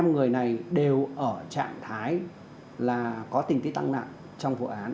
hai mươi năm người này đều ở trạng thái là có tình tích tăng nặng trong vụ án